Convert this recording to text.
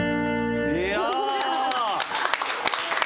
いや！